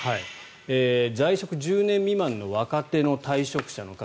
在職１０年未満の若手の退職者の数。